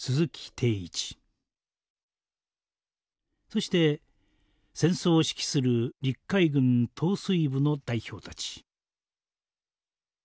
そして戦争を指揮する陸海軍統帥部の代表たち。